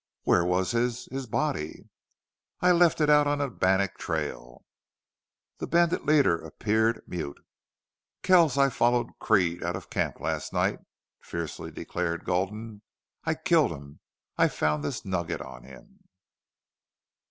"Where was his his body?" "I left it out on the Bannack trail." The bandit leader appeared mute. "Kells, I followed Creede out of camp last night," fiercely declared Gulden.... "I killed him!... I found this nugget on him!"